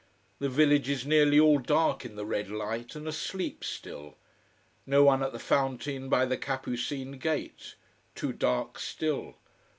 The village is nearly all dark in the red light, and asleep still. No one at the fountain by the capucin gate: too dark still.